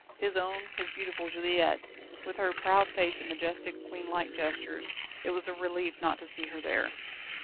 His own, his beautiful Juliette, with her proud face and majestic, queen like gestures; it was a relief not to see her there.